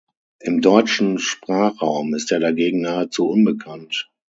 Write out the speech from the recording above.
Im deutschen Sprachraum ist er dagegen nahezu unbekannt.